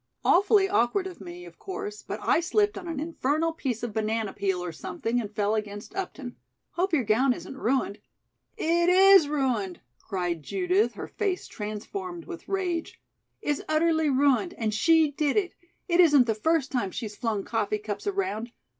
Awfully awkward of me, of course, but I slipped on an infernal piece of banana peel or something and fell against Upton. Hope your gown isn't ruined." "It is ruined," cried Judith, her face transformed with rage. "It's utterly ruined and she did it. It isn't the first time she's flung coffee cups around.